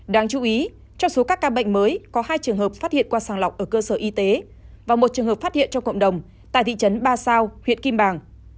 đáng chú ý trong số các ca bệnh mới có hai trường hợp phát hiện qua sàng lọc ở cơ sở y tế và một trường hợp phát hiện trong cộng đồng tại thị trấn ba sao huyện kim bàng